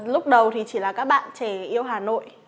lúc đầu thì chỉ là các bạn trẻ yêu hà nội